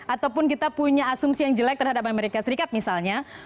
ataupun kita punya asumsi yang jelek terhadap amerika serikat misalnya